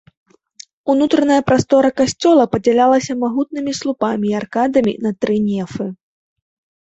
Унутраная прастора касцёла падзялялася магутнымі слупамі і аркадамі на тры нефы.